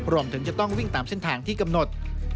รวมถึงจะต้องวิ่งตามเส้นทางที่กำหนด